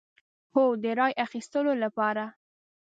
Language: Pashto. هو، د رای اخیستو لپاره